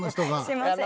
すいません。